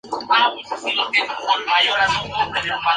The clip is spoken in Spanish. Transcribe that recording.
Ya en el gobierno del Gral.